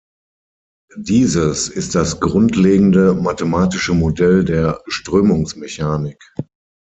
Dieses ist das grundlegende mathematische Modell der Strömungsmechanik.